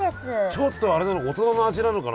ちょっとあれなのかな